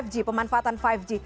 lima g pemanfaatan lima g